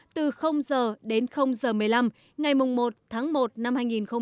từ giờ đến giờ một mươi năm ngày một tháng một năm hai nghìn hai mươi